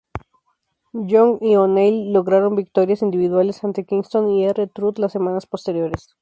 Young y O'Neil lograron victorias individuales ante Kingston y R-Truth las semanas posteriores.